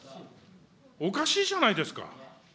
おかしいじゃないですか。